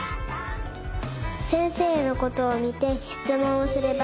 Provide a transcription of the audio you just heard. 「せんせいのことをみてしつもんをすれば」。